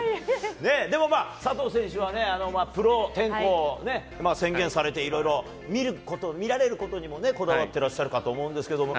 佐藤選手はプロ転向を宣言されて、見られることにもこだわっていると思うんですけど。